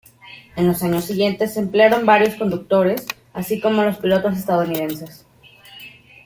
En los años siguientes se emplearon varios conductores, así como los pilotos estadounidenses.